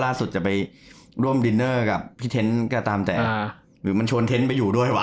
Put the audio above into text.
จะไปร่วมดินเนอร์กับพี่เทนต์ก็ตามแต่หรือมันชวนเทนต์ไปอยู่ด้วยว่